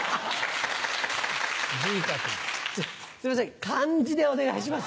すいません漢字でお願いします。